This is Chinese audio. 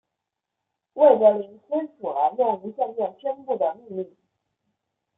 魏德林签署了用无线电宣布的命令。